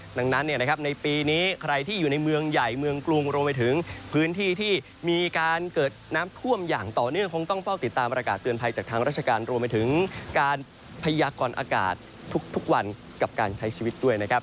ดังนั้นในปีนี้ใครที่อยู่ในเมืองใหญ่เมืองกรุงรวมไปถึงพื้นที่ที่มีการเกิดน้ำท่วมอย่างต่อเนื่องคงต้องเฝ้าติดตามประกาศเตือนภัยจากทางราชการรวมไปถึงการพยากรอากาศทุกวันกับการใช้ชีวิตด้วยนะครับ